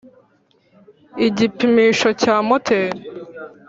igipimisho cya moteri